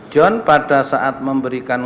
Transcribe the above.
john pada saat memberikan